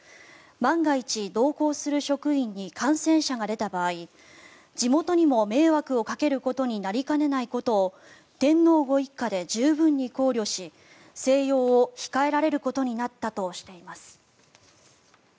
万が一、同行する職員に感染者が出た場合地元にも迷惑をかけることになりかねないことを天皇ご一家で十分に考慮し静養を控えられることになったとしています。